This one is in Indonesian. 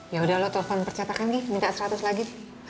ya udah lo telfon percetakan ghi minta seratus lagi